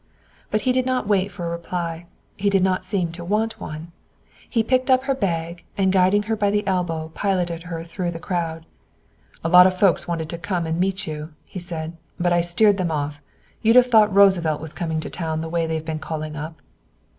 But he did not wait for a reply. He did not seem to want one. He picked up her bag, and guiding her by the elbow, piloted her through the crowd. "A lot of folks wanted to come and meet you," he said, "but I steered them off. You'd have thought Roosevelt was coming to town the way they've been calling up."